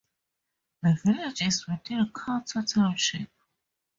The village is within Cato Township.